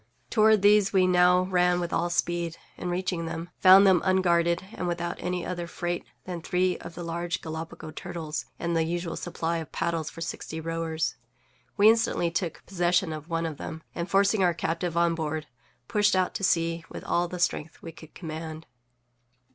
Toward these we now ran with all speed, and, reaching them, found them unguarded, and without any other freight than three of the large Gallipago turtles and the usual supply of paddles for sixty rowers. We instantly took possession of one of them, and, forcing our captive on board, pushed out to sea with all the strength we could command.